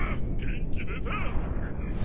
元気出た！